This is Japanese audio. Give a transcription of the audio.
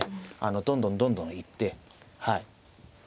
どんどんどんどん行ってはい。